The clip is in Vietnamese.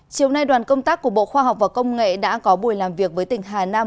chiều nay đoàn công tác của bộ khoa học và công nghệ đã có buổi làm việc với tỉnh hà nam